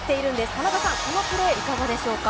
田中さん、このプレーいかがでしょうか？